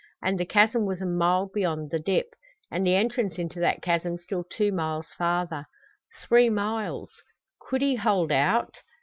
And the chasm was a mile beyond the dip, and the entrance into that chasm still two miles farther. Three miles! Could he hold out?